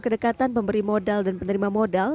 kedekatan pemberi modal dan penerima modal